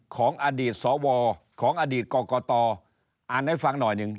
ของอดีตสวของอดีตกรกตอ่านให้ฟังหน่อยหนึ่ง